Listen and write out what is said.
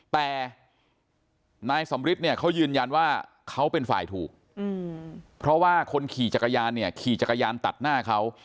แต่นายสำริทเนี่ยเขายืนยันว่าเขาเป็นฝ่ายถูกเพราะว่าคนขี่จักรยานเนี่ยขี่จักรยานตัดหน้าเขา